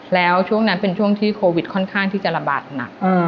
แล้วช่วงนั้นเป็นช่วงที่โควิดค่อนข้างที่จะระบาดหนัก